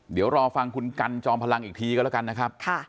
เดี๋ยวรอฟังคุณกันจอมพลังอีกทีก็แล้วกันนะครับ